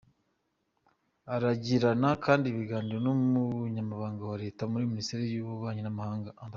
Aragirana kandi ibiganiro n’Umunyamabanga wa Leta muri Minisiteri y’Ububanyi n’Amahanga, Amb.